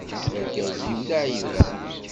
Argaz-iw d aɛiban.